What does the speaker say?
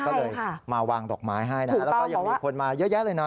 ก็เลยมาวางดอกไม้ให้นะฮะแล้วก็ยังมีคนมาเยอะแยะเลยนะ